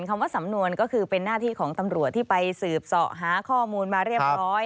คำว่าสำนวนก็คือเป็นหน้าที่ของตำรวจที่ไปสืบเสาะหาข้อมูลมาเรียบร้อย